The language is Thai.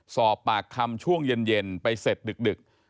สอบปากคำช่วงเย็นไปเสร็จดึก